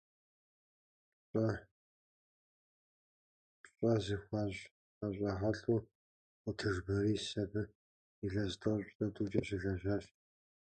Пщӏэ зыхуащӏ ӏэщӏагъэлӏу ӏутӏыж Борис абы илъэс тӏощӏрэ тӏукӏэ щылэжьащ.